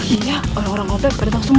iya orang orang obat pada tau semua